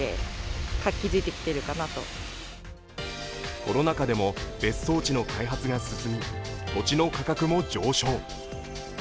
コロナ禍でも別荘地の開発が進み土地の価格も上昇。